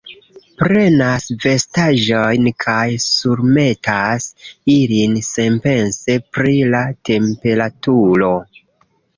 Prenas vestaĵojn kaj surmetas ilin senpense pri la temperaturo